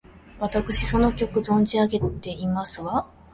わたくしその曲、存じ上げてますわ！